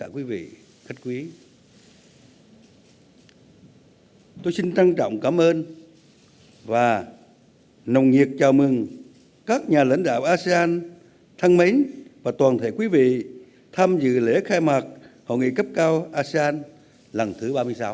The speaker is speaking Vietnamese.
quý vị khách quý tôi xin trân trọng cảm ơn và nồng nhiệt chào mừng các nhà lãnh đạo asean thân mến và toàn thể quý vị tham dự lễ khai mạc hội nghị cấp cao asean lần thứ ba mươi sáu